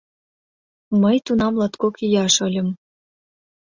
Мый тунам латкок ияш ыльым...